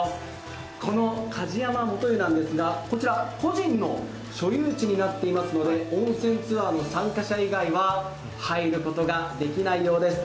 この梶山元湯、個人の所有地になっていますので温泉ツアーの参加者以外は入ることができないようです。